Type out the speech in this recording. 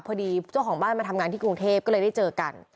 เจ้าของบ้านมาทำงานที่กรุงเทพก็เลยได้เจอกัน